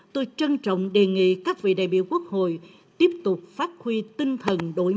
tôi trân trọng đề nghị các vị đại biểu quốc hội tiếp tục phát huy tinh thần đối tác